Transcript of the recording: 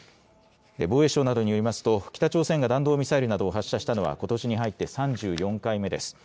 防衛省などによりますと北朝鮮が弾道ミサイルなどを発射したのはことしに入って３４回目です。